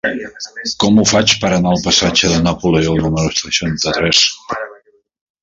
Com ho faig per anar al passatge de Napoleó número seixanta-tres?